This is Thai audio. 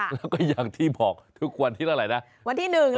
ค่ะแล้วก็อย่างที่บอกทุกวันที่แล้วอะไรนะวันที่๑แล้ว๑๖